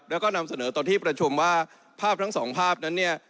แล้วก็นำเสนอตอนที่ประชุมว่าภาพทั้งสองภาพนั้นเนี่ย